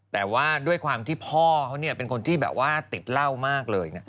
แต่ว่าด้วยความที่พ่อเขาเป็นคนที่แบบว่าติดเหล้ามากเลย